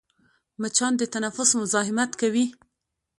مچان د تنفس مزاحمت کوي